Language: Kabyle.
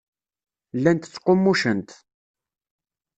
Llant ttqummucent.